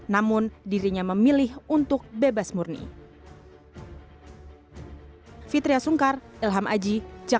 namun dirinya memilih untuk bebas murni